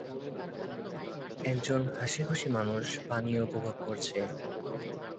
একজন হাসিখুশি মানুষ পানীয় উপভোগ করছে।